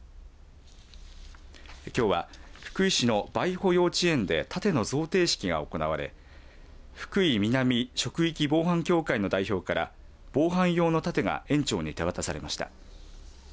きょうは福井市の梅圃幼稚園で盾の贈呈式が行われ福井南職域防犯協会の代表から防犯用の盾が園長に手渡されました。